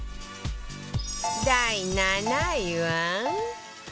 第７位は